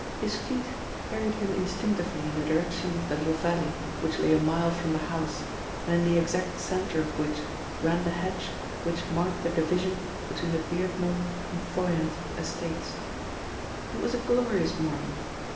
His feet carried him instinctively in the direction of the little valley which lay a mile from the house, and in the exact centre of which ran the hedge which marked the division between the Beardmore and Froyant estates. It was a glorious morning.